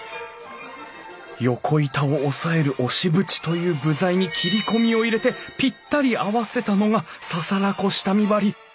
横板を押さえる押縁という部材に切り込みを入れてぴったり合わせたのが簓子下見張り。